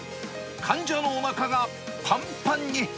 患者のおなかがぱんぱんに。